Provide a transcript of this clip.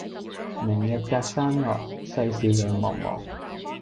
明日隔山岳，世事兩茫茫。